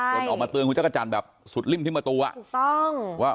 คนออกมาเตือนคุณจักรจันทร์แบบสุดลิ่มที่มาตัว